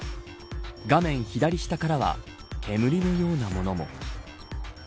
画面左下からは煙のようなものも。